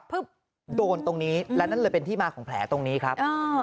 เพื่อโดนตรงนี้และนั่นเลยเป็นที่มาของแผลตรงนี้ครับ